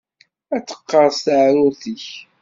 Ad teqqerṣ teɛrurt-ik.